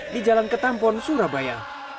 di jalan ketampon surabaya